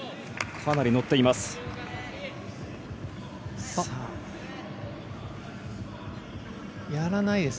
かなり乗っています。